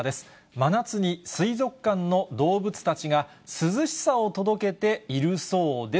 真夏に水族館の動物たちが涼しさを届けているそうです。